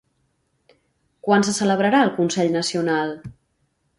Quan se celebrarà el consell nacional?